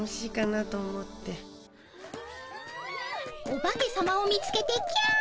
お化けさまを見つけてキャ！